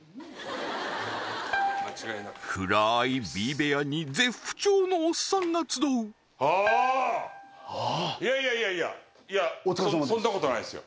部屋に絶不調のおっさんが集うああーああーいやいやいやいやいやそんなことないですよ